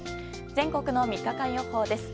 全国の３日間予報です。